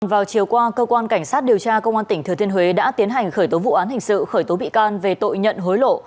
vào chiều qua cơ quan cảnh sát điều tra công an tỉnh thừa thiên huế đã tiến hành khởi tố vụ án hình sự khởi tố bị can về tội nhận hối lộ